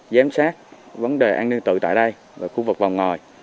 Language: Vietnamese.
giám sát vấn đề an ninh trật tự tại đây và khu vực vòng ngồi